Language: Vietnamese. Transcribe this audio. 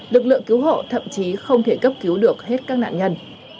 lực lượng cứu hộ thậm chí không thể cấp cứu được hết các nạn nhân